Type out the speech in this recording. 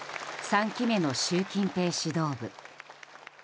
３期目の習近平指導部。